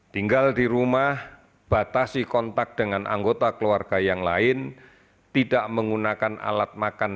tinggal di rumah batasi kontak dengan anggota keluarga yang lain tidak menggunakan alat makan